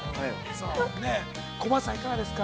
◆コバさん、いかがですか。